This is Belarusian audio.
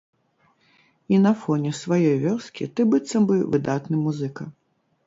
І на фоне сваёй вёскі ты быццам бы выдатны музыка.